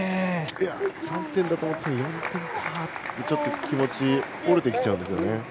３点だと思ってたのに４点かと気持ちが折れてきちゃうんですね。